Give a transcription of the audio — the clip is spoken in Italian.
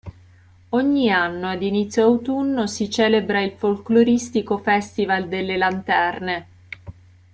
Ogni anno ad inizio autunno si celebra il folcloristico Festival delle lanterne.